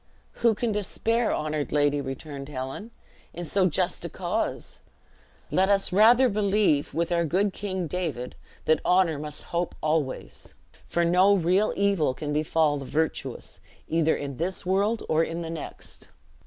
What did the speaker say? "Who can despair, honored lady," returned Helen, "in so just a cause? Let us rather believe with our good King David, that 'Honor must hope always; for no real evil can befall the virtuous, either in this world or in the next!'